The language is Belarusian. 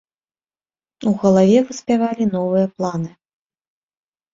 У галаве выспявалі новыя планы.